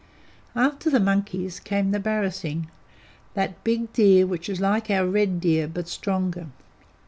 After the monkeys came the barasingh, that big deer which is like our red deer, but stronger.